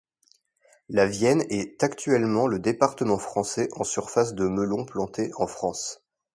La Vienne est actuellement le département français en surface de melons plantée en France.